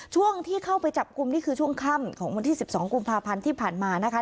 ช่วงที่เข้าไปจับกลุ่มนี่คือช่วงค่ำของวันที่๑๒กุมภาพันธ์ที่ผ่านมานะคะ